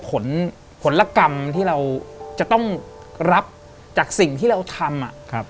ผลผลกรรมที่เราจะต้องรับจากสิ่งที่เราทำ